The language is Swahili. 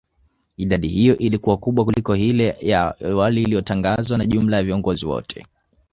idadi hiyo ilikuwa kubwa kuliko hile ya waliyotangazwa na jumla ya viongozi wote